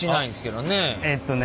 えっとね